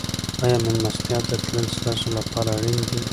آیا مېلمستیا ته تلل ستاسو لپاره اړین دي؟